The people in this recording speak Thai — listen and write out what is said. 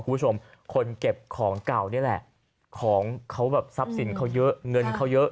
คุณผู้ชมคนเก็บของเก่านี่แหละของเขาแบบทรัพย์สินเขาเยอะเงินเขาเยอะ